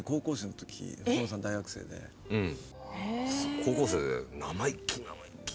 高校生で生意気生意気。